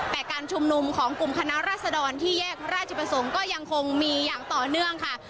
แต่การชุมนุมของกลุ่มคณะรัศดรที่แยกราชประสงค์ก็ยังคงมีอย่างต่อเนื่องค่ะ